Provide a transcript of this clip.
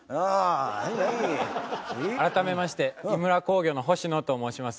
改めましてイムラ工業のホシノと申します。